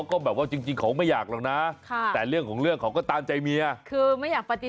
คือไม่อยากปฏิเสธทำให้เมียเสน้ำใจ